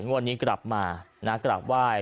งวดนี้กลับมานะกราบไหว้